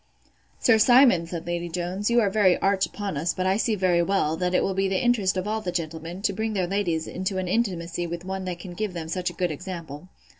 Sir Simon, said Lady Jones, you are very arch upon us but I see very well, that it will be the interest of all the gentlemen, to bring their ladies into an intimacy with one that can give them such a good example.